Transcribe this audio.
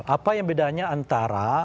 apa yang bedanya antara